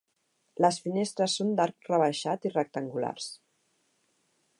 Les finestres són d'arc rebaixat i rectangulars.